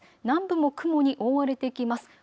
南部も雲に覆われてきます。